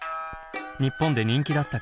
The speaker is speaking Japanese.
日本で人気だった曲です。